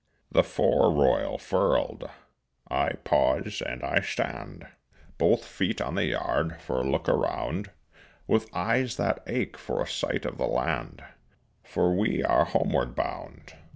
The fore royal furled, I pause and I stand, Both feet on the yard, for a look around, With eyes that ache for a sight of the land, For we are homeward bound.